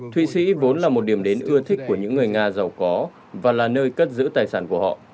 thụy sĩ vốn là một điểm đến ưa thích của những người nga giàu có và là nơi cất giữ tài sản của họ